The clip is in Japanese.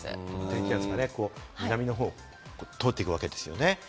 低気圧が南の方を通っていくわけですね。